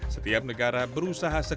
setiap negara berusaha segera